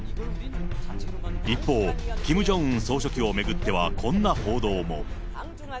一方、キム・ジョンウン総書記を巡ってはこんな報道も。